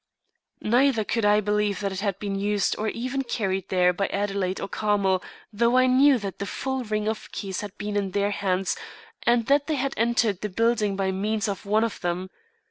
Neither could I believe that it had been used or even carried there by Adelaide or Carmel, though I knew that the full ring of keys had been in their hands and that they had entered the building by means of one of them.